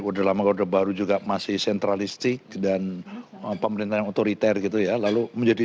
kode lama kode baru juga masih sentralistik dan pemerintah otoriter gitu ya lalu menjadi